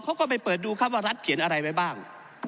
เขาก็ไปเปิดดูครับว่ารัฐเขียนอะไรไว้บ้าง